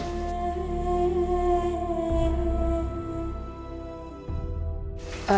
masih sedih dia